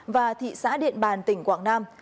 và thị xã điện bàn tỉnh quảng nam